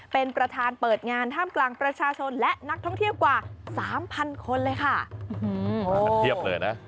เป็นประธานเปิดงานท่ามกลางประชาชนและนักท่องเที่ยวกว่า๓๐๐๐คนเลยค่ะ